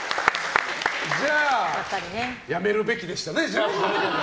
じゃあやめるべきでしたね。